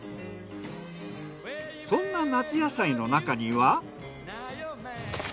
そんな夏野菜の中には。